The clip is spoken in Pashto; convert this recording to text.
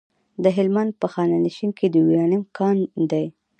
د هلمند په خانشین کې د یورانیم کان دی.